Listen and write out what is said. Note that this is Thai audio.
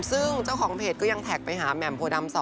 ซึ่งเจ้าของเพจก็ยังแท็กไปหาแหม่มโพดำ๒